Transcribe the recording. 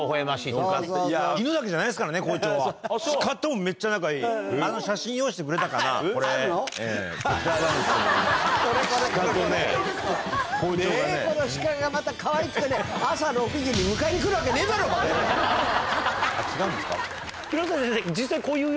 シカとね、このシカがまたかわいくてね、朝６時に迎えに来るわけねえだろ、ばかやろう。